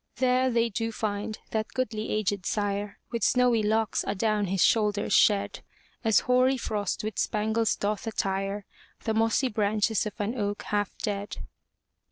There they do find that goodly aged sire. With snowy locks adown his shoulders shed; As hoary frost with spangles doth attire The mossy branches of an oak half dead.